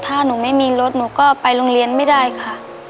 ถ้าหนูไม่มีรถหนูก็ไปโรงเรียนไม่ได้ค่ะ